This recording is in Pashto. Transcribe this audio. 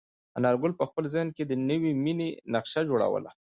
انارګل په خپل ذهن کې د نوې مېنې نقشه جوړوله.